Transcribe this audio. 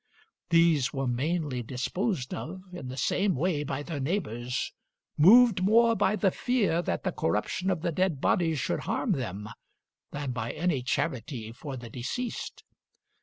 These were mainly disposed of in the same way by their neighbors, moved more by the fear that the corruption of the dead bodies should harm them than by any charity for the deceased.